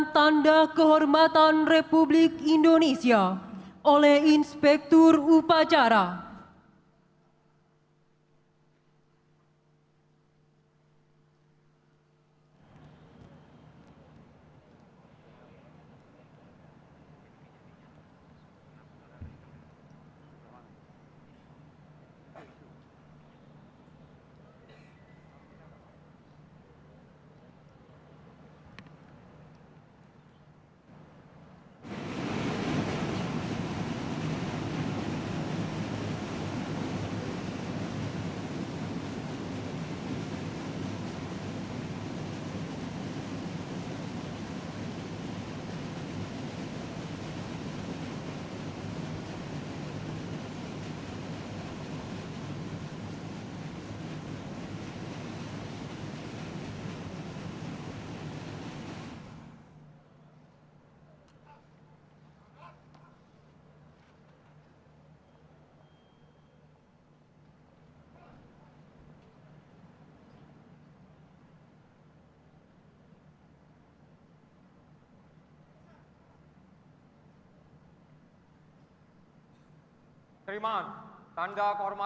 tanda kebesaran tutup hormat tenjata